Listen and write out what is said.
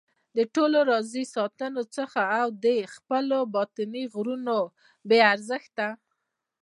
د ټولو د راضي ساتلو حڅه او د خپلو باطني غږونو بې ارزښته